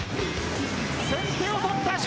先手を取った笑